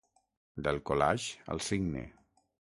Del collage al signe.